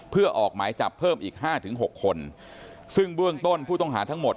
เพื่อออกหมายจับเพิ่มอีกห้าถึงหกคนซึ่งเบื้องต้นผู้ต้องหาทั้งหมด